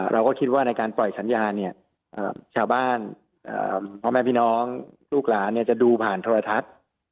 เราก็คิดว่าในการปล่อยสัญญาเนี่ยชาวบ้านพ่อแม่พี่น้องลูกหลานจะดูผ่านโทรทัศน์